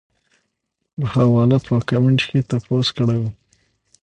پۀ حواله پۀ کمنټ کښې تپوس کړے وۀ -